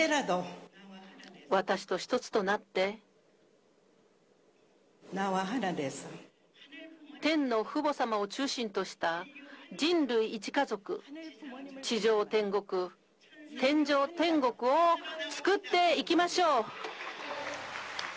私と一つとなって、天の父母様を中心とした、人類一家族、地上天国、天上天国を作っていきましょう。